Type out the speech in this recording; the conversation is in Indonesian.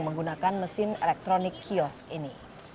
menggunakan mesin elektronik kiosk ini